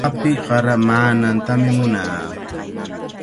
Api qaramaanantami munaa.